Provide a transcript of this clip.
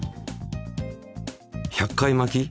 １００回巻き！